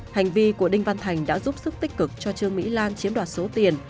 hành vi của đinh văn thành đã giúp sức tích cực cho trương mỹ lan chiếm đoạt số tiền